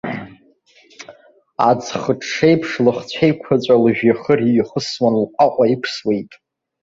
Аӡхыҽҽеиԥш лыхцәеиқәаҵәа лыжәҩахыр иҩахысуан, лҟәаҟәа иқәсуеит.